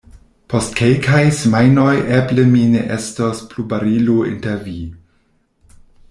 Post kelkaj semajnoj eble mi ne estos plu barilo inter vi.